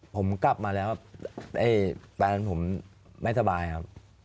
ผมกลับมาแล้วแฟนผมไม่สบายครับ